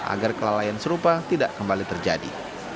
agar kelalaian serupa tidak kembali terjadi